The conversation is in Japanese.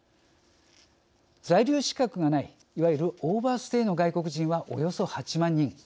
在留資格がないいわゆるオーバーステイの外国人は、およそ８万人。